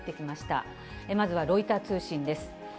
まずはロイター通信です。